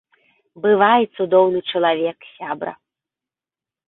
Бывай, цудоўны чалавек сябра.